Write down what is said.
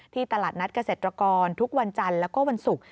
ที่ตลาดนัตรกษัตริย์รกรทุกวันจันทร์และวันศุกร์